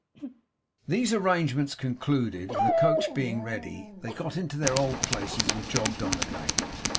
These arrangements concluded, and the coach being ready, they got into their old places and jogged on again.